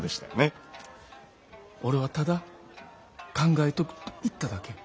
俺はただ考えとくと言っただけ。